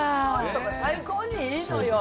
最高にいいのよ。